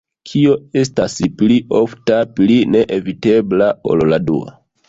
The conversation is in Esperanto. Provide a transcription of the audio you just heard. Kio estas pli ofta, pli neevitebla ol la dua?